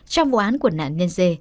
trong vụ án của nạn nhân dê